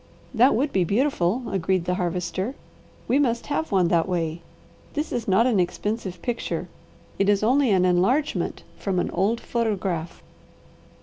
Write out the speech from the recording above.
"That would be beautiful," agreed the Harvester. "We must have one that way. This is not an expensive picture. It is only an enlargement from an old photograph."